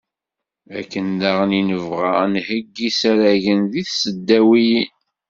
Akken daɣen i nebɣa ad nheggi isaragen deg tesdawiyin.